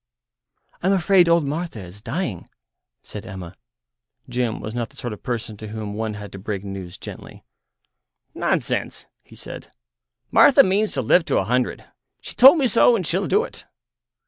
"I'm afraid old Martha is dying," said Emma. Jim was not the sort of person to whom one had to break news gently. "Nonsense," he said; "Martha means to live to a hundred. She told me so, and she'll do it."